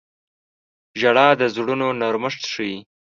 • ژړا د زړونو نرمښت ښيي.